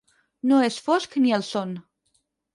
No és fosc ni el son.